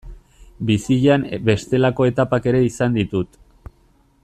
Bizian bestelako etapak ere izan ditut.